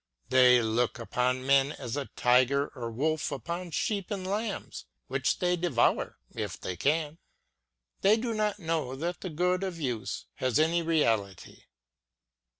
They look upon men as a tiger or wolf upon sheep and lambs, which they devour if they can. They do not know that the good of use has any reality.